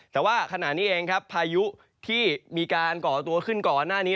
แต่ว่าขณะนี้เองครับพายุที่มีการก่อตัวขึ้นก่อนหน้านี้